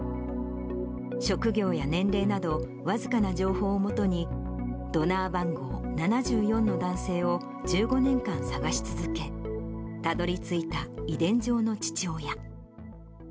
職業や年齢など、僅かな情報をもとに、ドナー番号７４の男性を１５年間捜し続け、たどりついた遺伝上の父親。